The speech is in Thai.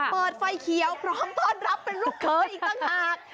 เปิดไฟเขียวพร้อมต้อนรับเป็นลูกเขยอีกต่างหาก